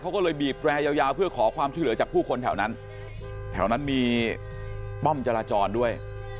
เขาก็เลยบีบแรยาวเพื่อขอความช่วยเหลือจากผู้คนแถวนั้นแถวนั้นมีป้อมจราจรด้วย